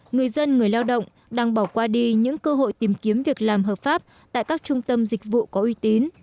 người dân người lao động đang bỏ qua đi những cơ hội tìm kiếm việc làm hợp pháp tại các trung tâm dịch vụ có uy tín